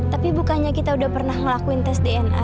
tapi bukannya kita udah pernah ngelakuin tes dna